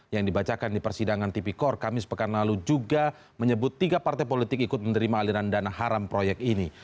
yang dibacakan di persidangan tipikor kamis pekan lalu juga menyebut tiga partai politik ikut menerima aliran dana haram proyek ini